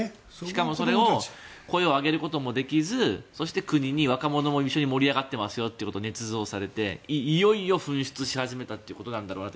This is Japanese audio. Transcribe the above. しかもそれを声を上げることもできず国に、若者も一緒に盛り上がってますよとねつ造されていよいよ噴出し始めたということなんだろうなと。